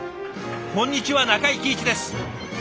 こんにちは中井貴一です。